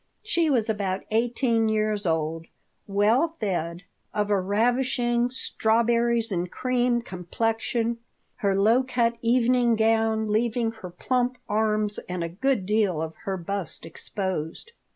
She was about eighteen years old, well fed, of a ravishing strawberries and cream complexion, her low cut evening gown leaving her plump arms and a good deal of her bust exposed.